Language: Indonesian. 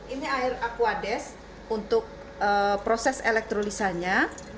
ini air aquades untuk proses elektrolisanya